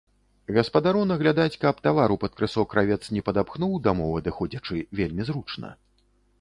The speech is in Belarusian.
Гаспадару наглядаць, каб тавару пад крысо кравец не падапхнуў, дамоў адыходзячы, вельмі зручна.